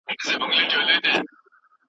ښه علمي سند د دندي په موندلو کي لویه مرسته کوي.